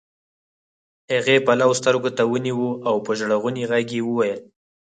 هغې پلو سترګو ته ونيوه او په ژړغوني غږ يې وويل.